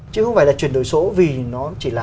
chứ không phải là chuyển đổi số vì nó chỉ là